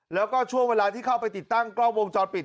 แล้วก็ช่วงเวลาที่เข้าไปติดตั้งกล้องวงจรปิด